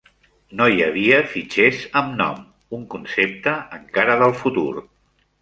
No hi havia fitxers amb nom, un concepte encara del futur.